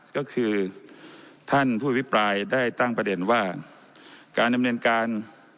ก็คือท่านผู้อภิปรายได้ตั้งประเด็นว่าการดำเนินการ